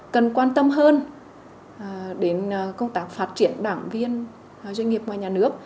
cần quan tâm hơn đến công tác phát triển đảng viên doanh nghiệp ngoài nhà nước